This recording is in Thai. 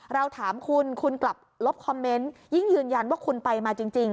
เราถามคุณคุณกลับลบคอมเมนต์ยิ่งยืนยันว่าคุณไปมาจริง